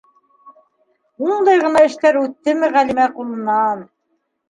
Ундай ғына эштәр үттеме Ғәлимә ҡулынан!